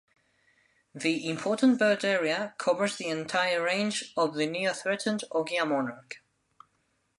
The Important Bird Area covers the entire range of the near threatened Ogea Monarch.